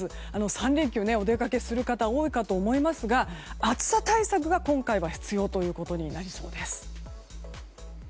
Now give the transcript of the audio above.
３連休、お出かけする方多いかと思いますが暑さ対策が今回は必要となりそうです。